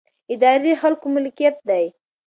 ادارې د خلکو ملکیت دي